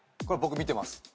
これ僕見てます。